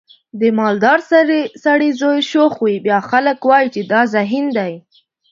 د مالدار سړي زوی شوخ وي بیا خلک وایي چې دا ذهین دی.